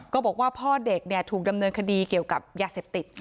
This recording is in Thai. บอกว่าพ่อเด็กถูกดำเนินคดีเกี่ยวกับยาเสพติด